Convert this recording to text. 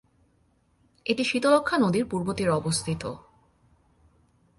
এটি শীতলক্ষ্যা নদীর পূর্ব তীরে অবস্থিত।